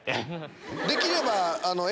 できれば。